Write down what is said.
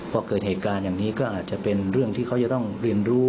พอเกิดเหตุการณ์อย่างนี้ก็อาจจะเป็นเรื่องที่เขาจะต้องเรียนรู้